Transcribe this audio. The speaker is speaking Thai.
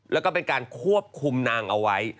แล้วก็เป็นการควบคุมนางเอาไว้